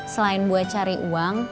selain buat cari uang